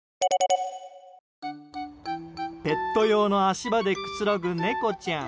ペット用の足場でくつろぐ猫ちゃん。